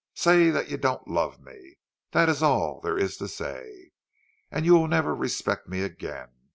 "Say that you don't love me—that is all there is to say! And you will never respect me again!